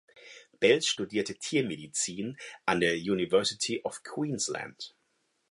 Belz studierte Tiermedizin an der University of Queensland.